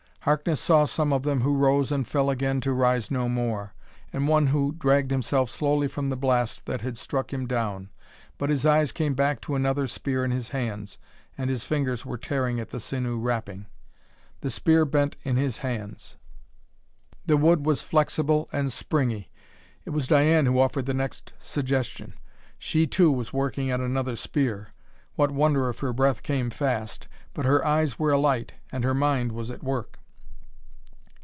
Harkness saw some of them who rose and fell again to rise no more, and one who dragged himself slowly from the blast that had struck him down. But his eyes came back to another spear in his hands, and his fingers were tearing at the sinew wrapping. The spear bent in his hands; the wood was flexible and springy. It was Diane who offered the next suggestion. She, too, was working at another spear what wonder if her breath came fast! but her eyes were alight, and her mind was at work.